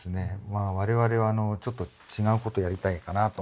まあ我々はちょっと違うことやりたいかなと思うんです。